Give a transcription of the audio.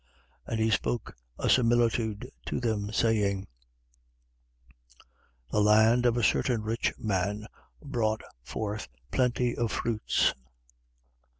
12:16. And he spoke a similitude to them, saying: The land of a certain rich man brought forth plenty of fruits.